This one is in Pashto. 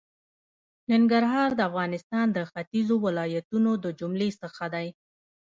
ننګرهار د افغانستان د ختېځو ولایتونو د جملې څخه دی.